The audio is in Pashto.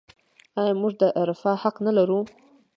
آیا موږ د رفاه حق نلرو؟